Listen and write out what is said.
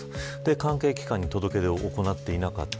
関係機関に届け出を行っていなかった。